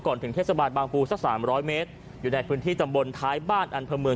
ถึงเทศบาลบางปูสักสามร้อยเมตรอยู่ในพื้นที่ตำบลท้ายบ้านอำเภอเมือง